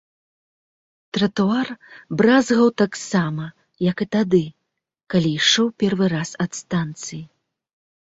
Тратуар бразгаў таксама, як і тады, калі ішоў першы раз ад станцыі.